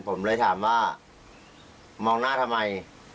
ผมเลยถามว่ามองหน้าทำไม